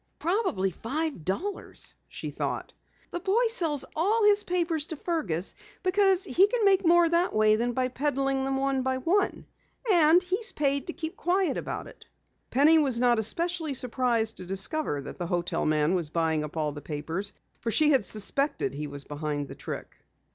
"Probably five dollars," she thought. "The boy sells all his papers to Fergus because he can make more that way than by peddling them one by one. And he's paid to keep quiet about it." Penny was not especially surprised to discover that the hotel man was buying up all the papers, for she had suspected he was behind the trick.